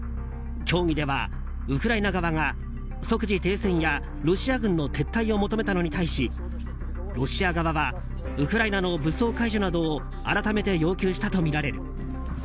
協議ではウクライナ側が即時停戦やロシア軍の撤退を求めたのに対しロシア側はウクライナの武装解除などを改めて要求したとみられる。